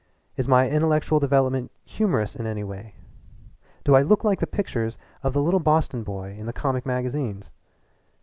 Is my intellectual development humorous in any way? Do I look like the pictures of the little Boston boy in the comic magazines?